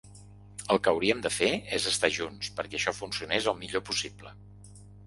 El que hauríem de fer és estar junts perquè això funcionés el millor possible.